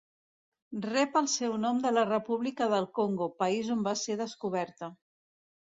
Rep el seu nom de la República del Congo, país on va ser descoberta.